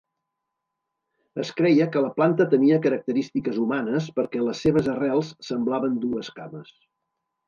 Es creia que la planta tenia característiques humanes perquè les seves arrels semblaven dues cames.